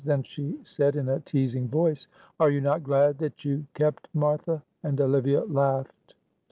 Then she said, in a teasing voice, "Are you not glad that you kept Martha?" and Olivia laughed.